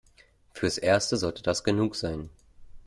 Fürs Erste sollte das genug sein.